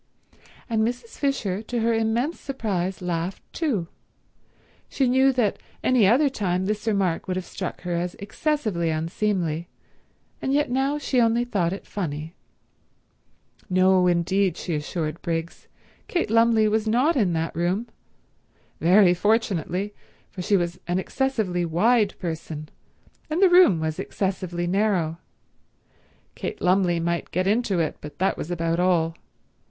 And Mrs. Fisher to her immense surprise laughed too. She knew that any other time this remark would have struck her as excessively unseemly, and yet now she only thought it funny. No indeed, she assured Briggs, Kate Lumley was not in that room. Very fortunately, for she was an excessively wide person and the room was excessively narrow. Kate Lumley might get into it, but that was about all.